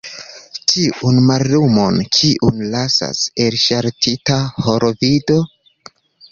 Tiun mallumon, kiun lasas elŝaltita holovido?